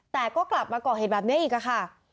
แต่ก็กลับมาเห็นแบบเนี้ยอีกอะค่ะ